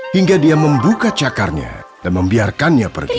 hingga dia membuka cakarnya dan membiarkannya pergi